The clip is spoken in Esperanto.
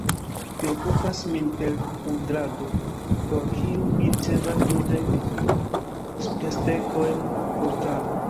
Mi okupas min per kudrado, por kiu mi ricevas dudek spesdekojn por tago.